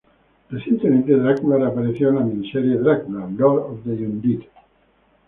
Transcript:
Recientemente, Drácula reapareció en la miniserie: "Dracula: Lord of the Undead".